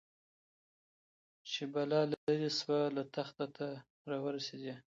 چي بلا ليري سوه له تخته ته راورسېدې